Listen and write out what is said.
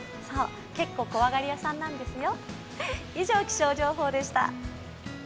結構怖がり屋さんなんですよ。